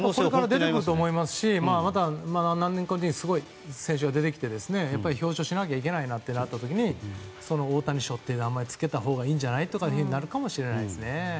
出てくると思いますしまた何年か後にすごい選手が出てきて表彰しなきゃいけないとなった時にオオタニ賞という名前を付けたほうがいいんじゃないかとなるかもしれないですね。